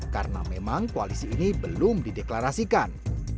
karena memang koalisi ini belum dideklarasikan